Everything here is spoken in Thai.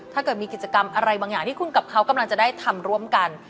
ถ้าเกิดมีกิจกรรมอะไรบางอย่างที่คุณกับเขากำลังจะได้ทำร่วมกัน